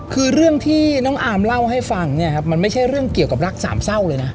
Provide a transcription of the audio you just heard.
คือเรื่องที่น้องอาร์มเล่าให้ฟังเนี่ยครับมันไม่ใช่เรื่องเกี่ยวกับรักสามเศร้าเลยนะ